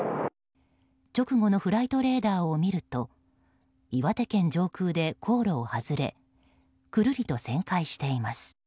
直後のフライトレーダーを見ると岩手県上空で航路を外れくるりと旋回しています。